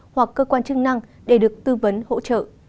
hoặc cơ quan chức năng để được tư vấn hỗ trợ